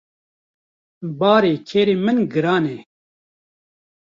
Barê kerê min giran e.